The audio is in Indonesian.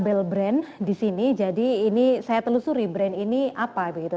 ini ada label brand di sini jadi ini saya telusuri brand ini apa begitu